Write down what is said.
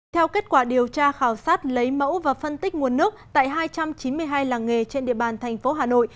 theo kết quả điều tra khảo sát lấy mẫu và phân tích nguồn nước tại hai trăm chín mươi hai làng nghề trên địa bàn thành phố hà nội